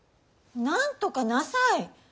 なんとかなさい！